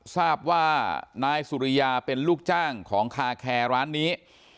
ทราบว่านายสุริยาเป็นลูกจ้างของคาแคร์ร้านนี้